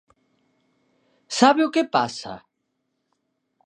¿Sabe o que pasa?